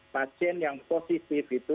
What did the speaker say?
pasien yang positif itu